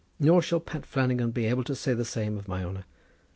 "Nor shall Pat Flannagan be able to say the same thing of my honour.